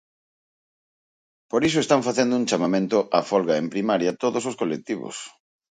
Por iso están facendo un chamamento á folga en primaria todos os colectivos.